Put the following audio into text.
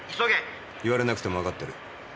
言われなくても分かってる。